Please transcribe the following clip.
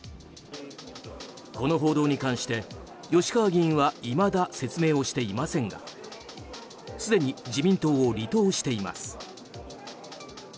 この報道に関して、吉川議員はいまだ説明をしていませんがすでに自民党を離党しています。